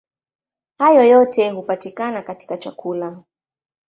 Hayo yote hupatikana katika chakula.